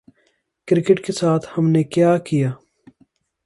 Cricket کے ساتھ ہم نے کیا کیا؟